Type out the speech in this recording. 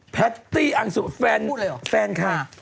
แพตตี้อังสุแฟนค่ะ